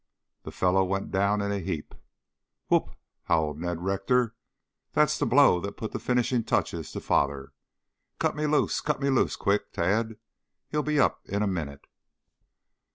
The fellow went down in a heap. "Whoop!" howled Ned Rector. "That's the blow that put the finishing touches to father. Cut me loose! Cut me loose! Quick, Tad! He'll be up in a minute!"